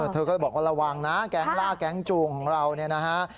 เธอก็บอกว่าระวังนะแก๊งล่าแก๊งจูงของเราเนี่ยนะฮะ